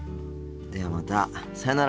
ではまたさよなら。